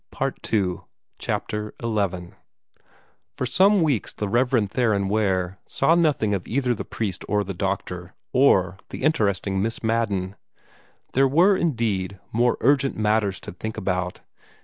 PART II CHAPTER XI For some weeks the Rev. Theron Ware saw nothing of either the priest or the doctor, or the interesting Miss Madden. There were, indeed, more urgent matters to think about.